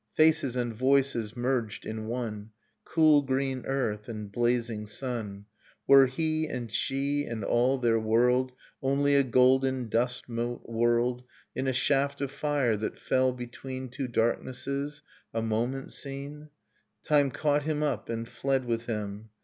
Faces and voices merged in one. Cool green earth and blazing sun ... Were he and she, and all their world Only a golden dust mote, whirled In a shaft of fire that fell between Two darknesses, a moment seen? ... Time caught him up and fled with him.